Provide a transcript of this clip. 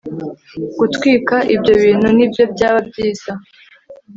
gutwika ibyo bintu nibyo byaba byiza